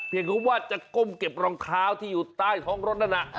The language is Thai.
เพียงคือว่าจะก้มเก็บรองเท้าที่อยู่ใต้ท้องรถนั่น